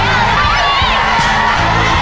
โอ้โฮ